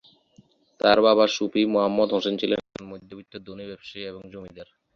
তাঁর বাবা সুফি মুহাম্মদ হোসেন ছিলেন একজন মধ্যবিত্ত ধনী ব্যবসায়ী এবং জমিদার।